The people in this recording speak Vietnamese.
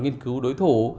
nghiên cứu đối thủ